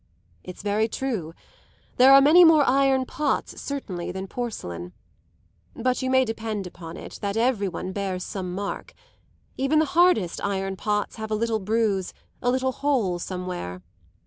"It's very true; there are many more iron pots certainly than porcelain. But you may depend on it that every one bears some mark; even the hardest iron pots have a little bruise, a little hole somewhere.